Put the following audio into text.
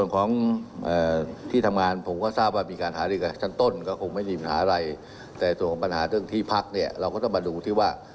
ก็คงไม่มีปัญหาอะไรแต่ส่วนของปัญหาเรื่องที่พักเนี่ยเราก็ต้องมาดูที่ว่า